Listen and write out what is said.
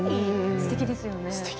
すてきですね